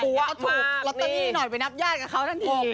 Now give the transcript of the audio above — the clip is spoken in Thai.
ก็ถูกแล้วตอนนี้หน่อยไปนับญาติกับเขาทั้งที